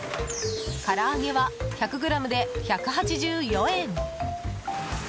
から揚げは１００ｇで１８４円。